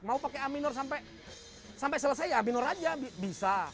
mau pakai a minor sampai selesai ya a minor aja bisa